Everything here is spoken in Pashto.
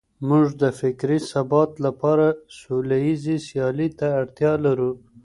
موږ د فکري ثبات لپاره سوليزې سيالۍ ته اړتيا لرو.